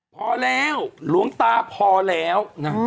พอแล้วหลวงตาพอแล้วนะ